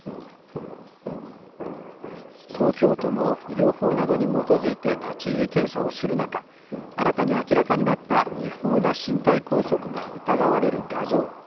東京都も医療法などに基づいて立ち入り検査をする中、新たに明らかになった違法な身体拘束が疑われる画像。